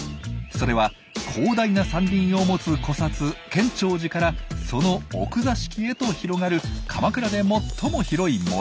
それは広大な山林を持つ古刹建長寺からその奥座敷へと広がる鎌倉で最も広い森。